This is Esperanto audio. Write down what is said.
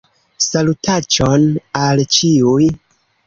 Salutaĉon al ĉiuj